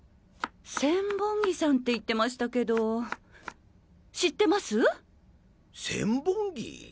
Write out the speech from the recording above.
千本木さんって言ってましたけど知ってます？